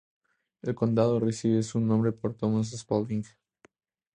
El condado recibe su nombre por Thomas Spalding.